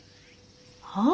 はあ？